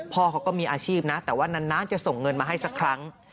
พ่อเขาก็มีอาชีพนะแต่ว่านานจะส่งเงินมาให้สักครั้ง